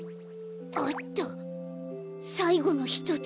あったさいごのひとつ。